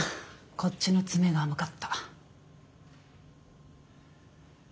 こっちの詰めが甘かった。